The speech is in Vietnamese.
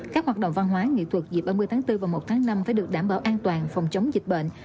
các hoạt động văn hóa nghệ thuật dịp ba mươi tháng bốn và một tháng năm phải được đảm bảo an toàn phòng chống dịch bệnh